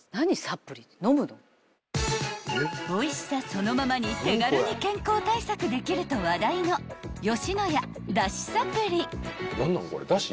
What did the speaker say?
［おいしさそのままに手軽に健康対策できると話題の野家だしサプリ］